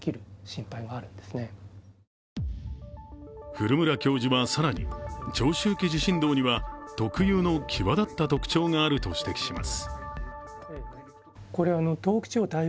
古村教授は更に長周期地震動には特有の際だった特徴があると指摘します。